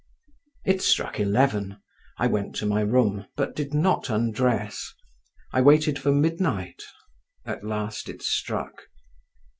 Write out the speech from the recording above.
It struck eleven; I went to my room, but did not undress; I waited for midnight; at last it struck.